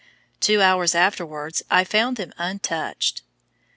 Two hours afterwards I found them untouched.